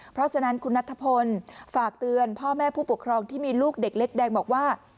เพราะฉะนั้นคุณนัทพลฝากเตือนพ่อแม่ผู้ปกครองที่มีลูกเด็กเล็กแดงบอกว่า